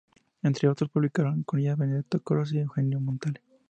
Entre otros, publicaron en ella Benedetto Croce y Eugenio Montale.